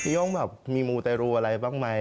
พี่โย่งดับมีมูลเตยรูอะไรบ้างมั้ย